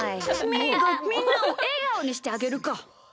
みーが、みんなをえがおにしてあげるか！